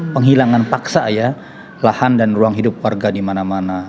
penghilangan paksa ya lahan dan ruang hidup warga di mana mana